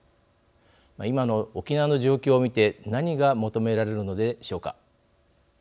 今の沖縄の状況を見て何が求められるのでしょうか。